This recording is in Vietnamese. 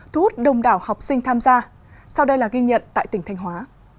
thu hút đông đảo học sinh tham gia sau đây là ghi nhận tại tỉnh thanh hóa